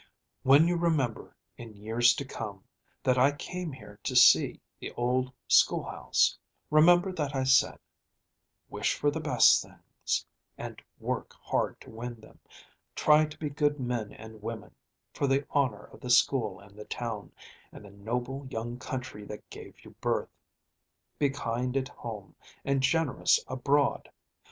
When you remember, in years to come, that I came here to see the old school house, remember that I said: Wish for the best things, and work hard to win them; try to be good men and women, for the honor of the school and the town, and the noble young country that gave you birth; be kind at home and generous abroad.